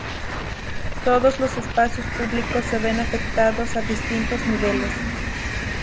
Todas los espacios públicos se ven afectados a distintos niveles.